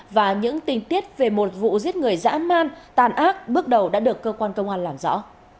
và những tình tiết về một vụ giết người dã man tàn ác bước đầu đã được cơ quan công an làm rõ